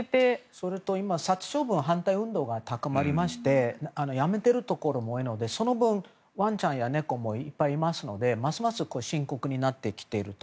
それと今殺処分反対運動が高まりましてやめてるところも多いのでその分、ワンちゃんや猫もいっぱいいますので、ますます深刻になってきていると。